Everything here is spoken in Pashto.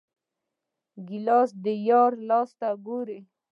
ګیلاس د یار لاس ته ګوري.